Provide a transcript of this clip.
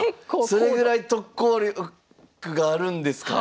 それぐらい特効力があるんですか！